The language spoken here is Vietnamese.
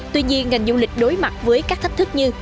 tuy nhiên ngành du lịch đối mặt với các thách thức như